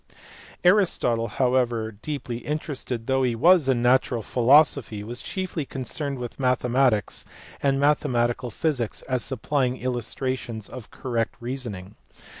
Aristotle however, deeply interested though he was in natural philosophy, was chiefly concerned with mathematics and mathematical physics as supplying illus trations of correct reasoning.